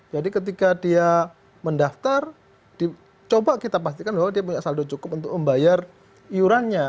jadi ketika dia mendaftar coba kita pastikan bahwa dia punya saldo cukup untuk membayar iurannya